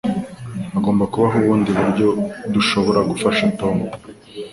Hagomba kubaho ubundi buryo dushobora gufasha Tom.